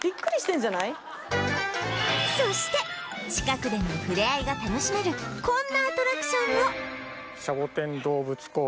そして近くでの触れ合いが楽しめるこんなアトラクションも